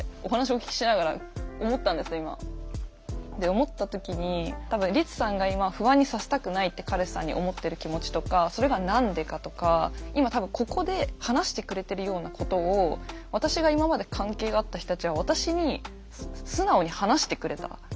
思った時に多分リツさんが今不安にさせたくないって彼氏さんに思ってる気持ちとかそれが何でかとか今多分ここで話してくれてるようなことを私が何かが例えばあったとする。